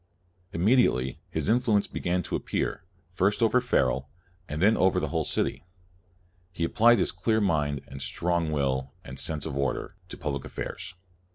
Immediately, his influence began to ap pear, first over Farel, then over the whole city. He applied his clear mind, and strong will, and sense of order, to public affairs.